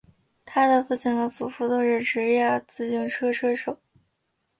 他的父亲和祖父都是职业自行车车手。